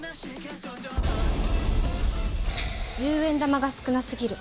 １０円玉が少なすぎる。